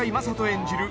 演じる